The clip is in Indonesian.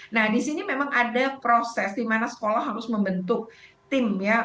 nah di sini memang ada proses di mana sekolah harus membentuk tim ya